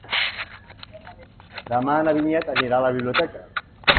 Demà na Vinyet anirà a la biblioteca.